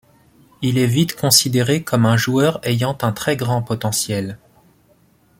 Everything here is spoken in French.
Il est vite considéré comme un joueur ayant un très grand potentiel.